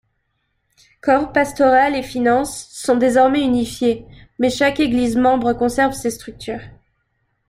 Corps pastoral et finances sont désormais unifiés, mais chaque Église membre conserve ses structures.